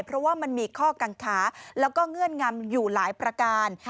เพราะว่ามันมีข้อกังขาแล้วก็เงื่อนงำอยู่หลายประการ